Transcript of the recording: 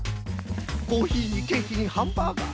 コーヒーにケーキにハンバーガー